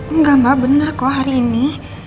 enggak mbak benar kok hari ini